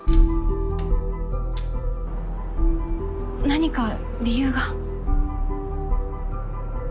何か理由が？